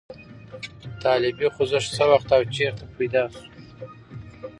طالبي خوځښت څه وخت او چېرته پیدا شو؟